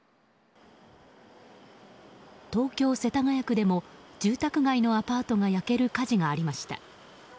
東京・世田谷区でも住宅街のアパートが焼ける火事がありました。